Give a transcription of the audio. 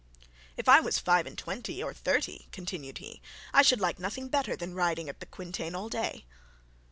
'If I was five and twenty, or thirty,' continued he, 'I should like nothing better than riding at the quintain all day.'